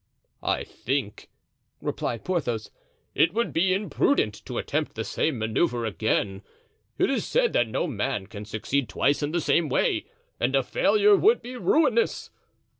"I think," replied Porthos, "it would be imprudent to attempt the same manoeuvre again; it is said that no man can succeed twice in the same way, and a failure would be ruinous.